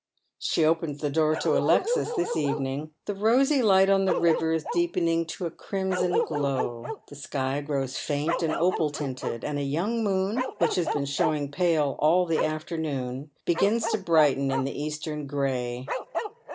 She opens the door to Alexis this evening. The rosy light on the river is deepening to a ciimson glow ; the sky grows faint und opal tinted ; and a young moon, which has been showing pale all the afternoon, begins to brighten in the eastern gi ay.